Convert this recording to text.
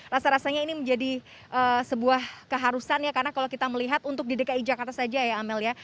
rasa rasanya ini menjadi sebuah keharusan ya karena kalau kita melihat untuk di dki jakarta saja ya amel ya